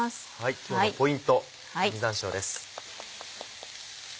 今日のポイント実山椒です。